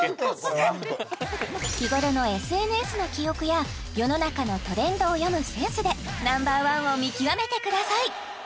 日頃のＳＮＳの記憶や世の中のトレンドを読むセンスでＮｏ．１を見極めてください